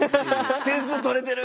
点数とれてる！」